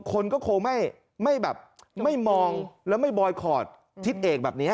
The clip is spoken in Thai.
คนก็คงไม่มองและไม่บอยคอร์ตทิศเอกแบบนี้